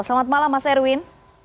selamat malam mas erwin